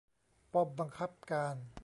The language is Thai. ป้อมบังคับการ